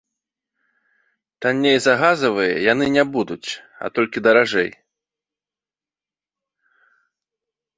Танней за газавыя яны не будуць, а толькі даражэй.